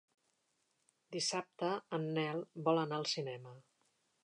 Dissabte en Nel vol anar al cinema.